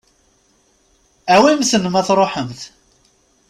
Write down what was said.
Awimt-ten ma tṛuḥemt.